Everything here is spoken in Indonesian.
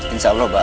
insya allah mbak